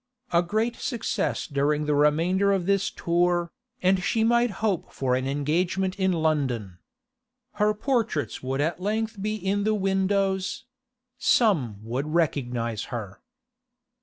A great success during the remainder of this tour, and she might hope for an engagement in London. Her portraits would at length be in the windows; some would recognise her.